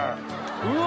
うわ！